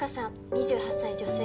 ２８歳女性。